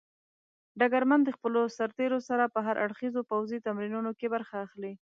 ډګرمن د خپلو سرتېرو سره په هر اړخيزو پوځي تمرینونو کې برخه اخلي.